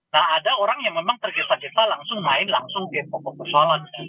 nah ada orang yang memang tergesa gesa langsung main langsung game pokok persoalan